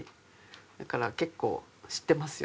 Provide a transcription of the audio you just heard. だから結構知ってますよ。